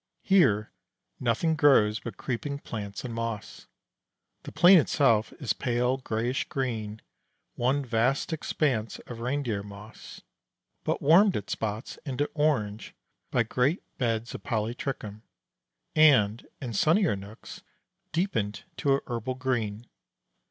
Here, nothing grows but creeping plants and moss. The plain itself is pale grayish green, one vast expanse of reindeer moss, but warmed at spots into orange by great beds of polytrichum, and, in sunnier nooks, deepened to a herbal green.